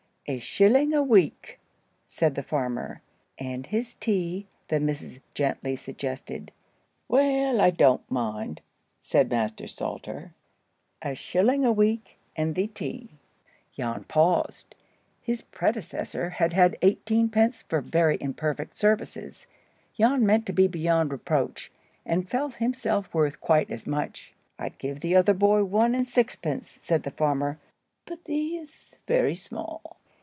"A shilling a week," said the farmer. "And his tea?" the missus gently suggested. "Well, I don't mind," said Master Salter. "A shilling a week and thee tea." Jan paused. His predecessor had had eighteen pence for very imperfect services. Jan meant to be beyond reproach, and felt himself worth quite as much. "I give the other boy one and sixpence," said the farmer, "but thee's very small."